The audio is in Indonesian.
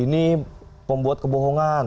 ini pembuat kebohongan